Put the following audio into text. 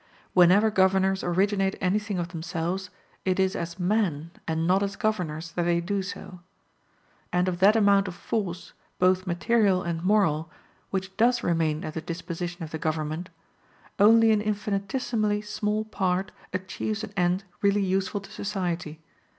Whenever governors originate anything of themselves, it is as men and not as governors, that they do so. And of that amount of force, both material and moral, which does remain at the disposition of the government, only an infinitesimally small part achieves an end really useful to society.